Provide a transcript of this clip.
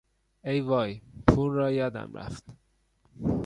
ای وای! پول را یادم رفت!